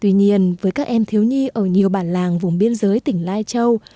tuy nhiên với các em thiếu nhi ở nhiều bản làng vùng biên giới tỉnh lai châu